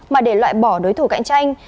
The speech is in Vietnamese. mà để loại bỏ đối thủ cạnh tranh